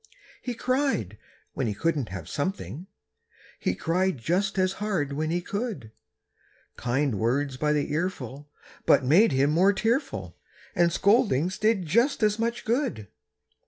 He cried when he couldn't have something; He cried just as hard when he could; Kind words by the earful but made him more tearful, And scoldings did just as much good.